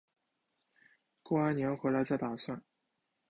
过完年回来再打算